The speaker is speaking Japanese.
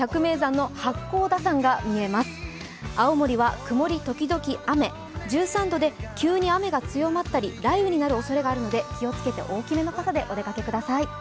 青森は曇り時々雨、１３度で急に雨が強まったり雷雨にる可能性がありますので大きめの傘でお出かけください。